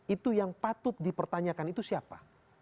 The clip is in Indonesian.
itu yang patut dipertanyakan itu siapa